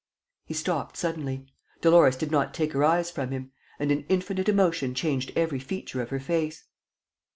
..." He stopped suddenly. Dolores did not take her eyes from him; and an infinite emotion changed every feature of her face.